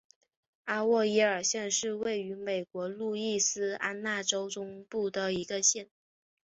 阿沃耶尔县是位于美国路易斯安那州中部的一个县。